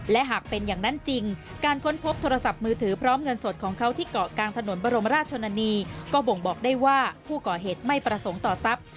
และหากเป็นอย่างนั้นจริงการค้นพบโทรศัพท์มือถือพร้อมเงินสดของเขาที่เกาะกลางถนนบรมราชชนนานีก็บ่งบอกได้ว่าผู้ก่อเหตุไม่ประสงค์ต่อทรัพย์